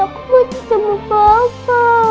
aku mau jadi sama papa